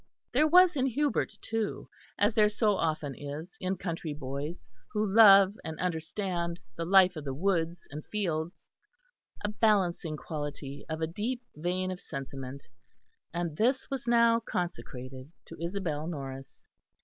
There was in Hubert, too, as there so often is in country boys who love and understand the life of the woods and fields, a balancing quality of a deep vein of sentiment; and this was now consecrated to Isabel Norris.